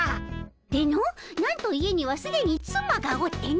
でのなんと家にはすでにつまがおっての。